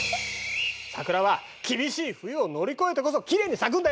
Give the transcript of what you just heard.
桜は厳しい冬を乗り越えてこそきれいに咲くんだよ。